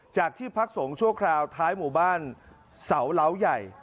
ที่พักสงฆ์ชั่วคราวท้ายหมู่บ้านเสาเหล้าใหญ่